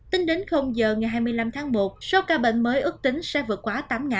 tính đến giờ ngày hai mươi năm tháng một số ca bệnh mới ước tính sẽ vượt quá tám